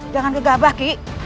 jangan kegabah ki